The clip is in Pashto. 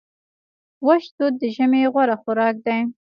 وچ توت د ژمي غوره خوراک دی.